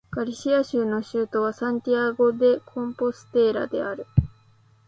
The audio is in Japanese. ガリシア州の州都はサンティアゴ・デ・コンポステーラである